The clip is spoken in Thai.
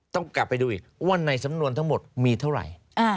ต้องกลับไปดูอีกว่าในสำนวนทั้งหมดมีเท่าไหร่